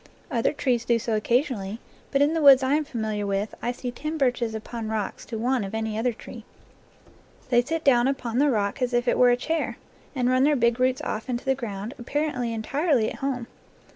Other trees do so occasionally, but in the woods I am familiar with I see ten birches upon rocks to one of any other tree. They sit down upon the rock as if it were a chair, and run their big roots off into the ground, apparently entirely at home.